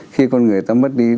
khi con người ta mất đi